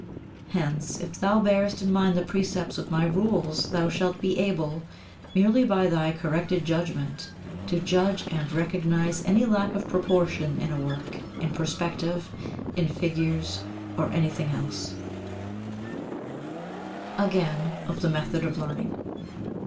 Hence if thou bearest in mind the precepts of my rules thou shalt be able, merely by thy corrected judgement, to judge and recognize any lack of proportion in a work, in perspective, in figures or anything else. [Sidenote: Again of the Method of Learning] 60.